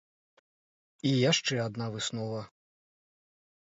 І яшчэ адна выснова.